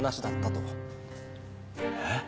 えっ？